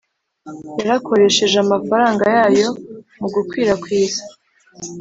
yarakoresheje amafaranga yayo mu gukwirakwiza